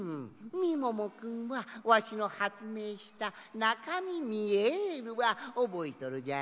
みももくんはわしのはつめいした「ナカミミエル」はおぼえとるじゃろ？